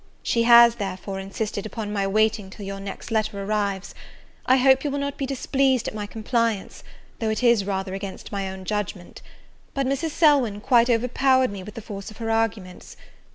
She has, therefore, insisted upon my waiting till your next letter arrives. I hope you will not be displeased at my compliance, though it is rather against my own judgment: but Mrs. Selwyn quite overpowered me with the force of her arguments.